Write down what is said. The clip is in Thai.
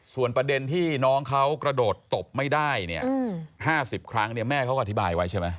ส่วนประเด็นที่น้องเขากระโดดตบไม่ได้เนี่ย๕๐ครั้งเนี่ยแม่เขาก็อธิบายไว้ใช่ไหม